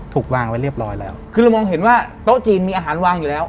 ถูกวางไว้เรียบร้อยแล้วคือเรามองเห็นว่าโต๊ะจีนมีอาหารวางอยู่แล้ว